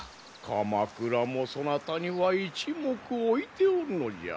鎌倉もそなたには一目置いておるのじゃ。